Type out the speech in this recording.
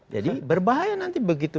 jadi berbahaya nanti begitu